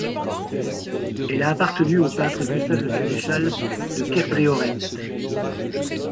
Elle a appartenu au peintre Gustave Le Sénéchal de Kerdréoret.